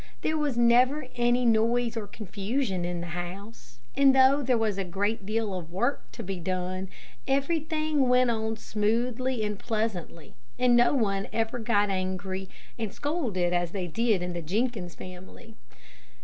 There was never any noise or confusion in the house, and though there was a great deal of work to be done, everything went on smoothly and pleasantly, and no one ever got angry and scolded as they did in the Jenkins family.